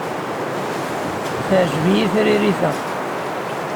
Teɛjeb-iyi tririt-a.